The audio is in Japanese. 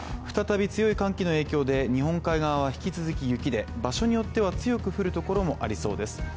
再び強い寒気の影響で日本海側は引き続き雪で場所によっては強く降るところもありそうです